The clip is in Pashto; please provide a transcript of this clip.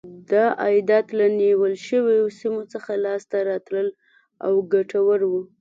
دا عایدات له نیول شویو سیمو څخه لاسته راتلل او ګټور و.